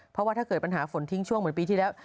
เพราะว่าถ้าเกิดปัญหาฝนทิ้งช่วงเหมือนปีที่แล้ว